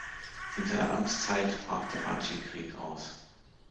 In seiner Amtszeit brach der Aceh-Krieg aus.